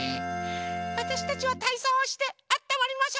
あたしたちはたいそうをしてあったまりましょ！